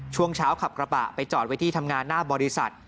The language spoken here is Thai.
ช่วงเช้าขับกระบะไปจอดไว้ที่ทำงานหน้าบริษัท